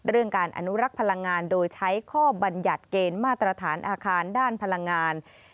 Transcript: การอนุรักษ์พลังงานโดยใช้ข้อบรรยัติเกณฑ์มาตรฐานอาคารด้านพลังงาน